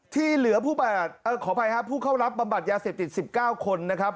ที่เหลือผู้ขออภัยครับผู้เข้ารับบำบัดยาเสพติด๑๙คนนะครับ